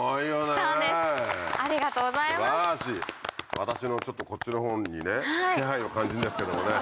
私のちょっとこっちの方にね気配を感じるんですけどもね。